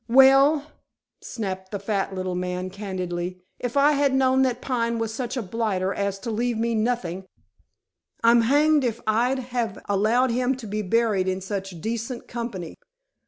"Well," snapped the fat little man candidly, "if I had known that Pine was such a blighter as to leave me nothing, I'm hanged if I'd have allowed him to be buried in such decent company."